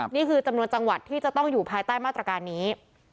นี่คือจำนวนจังหวัดที่จะต้องอยู่ภายใต้มาตรการนี้